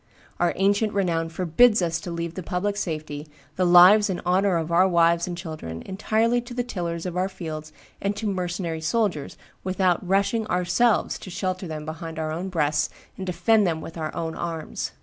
Our ancient renown forbids us to leave the public safety, the lives and honor of our wives and our children, entirely to the tillers of our fields and to mercenary soldiers, without rushing ourselves to shelter them behind our own breasts and defend them with our own arms.